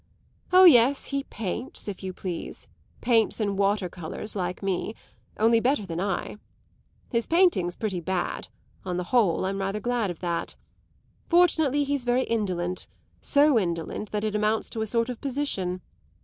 Oh yes, he paints, if you please paints in water colours; like me, only better than I. His painting's pretty bad; on the whole I'm rather glad of that. Fortunately he's very indolent, so indolent that it amounts to a sort of position.